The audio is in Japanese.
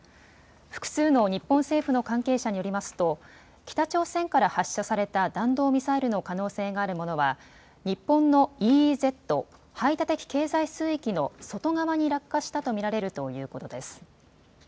複数の日本政府の関係者によりますと北朝鮮から発射された弾道ミサイルの可能性があるものは日本のＥＥＺ・排他的経済水域の外側に落下したと見られるということです。